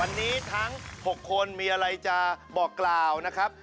วันนี้ทั้ง๖คนมีอะไรจะบอกกล่าวนะครับ